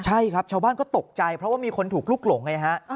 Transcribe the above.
ใช่ครับชาวบ้านก็ตกใจเพราะว่ามีคนถูกลุกหลงไงฮะ